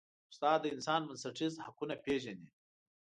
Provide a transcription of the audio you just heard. استاد د انسان بنسټیز حقونه پېژني.